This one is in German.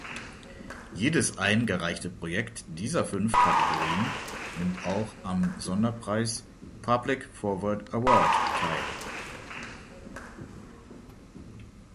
Jedes eingereichte Projekt dieser fünf Kategorien nimmt auch am Sonderpreis "Public Forward Award" teil.